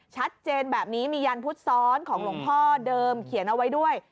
ชัดเจนแบบนี้มียันพุทธซ้อนของหลวงพ่อเดิมเขียนเอาไว้ด้วย